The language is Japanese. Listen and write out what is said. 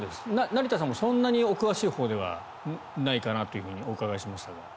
成田さんもそんなにお詳しいほうではないかなとお伺いしましたが。